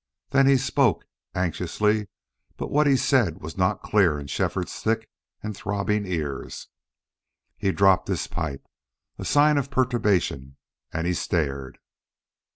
Then he spoke, anxiously, but what he said was not clear in Shefford's thick and throbbing ears. He dropped his pipe, a sign of perturbation, and he stared.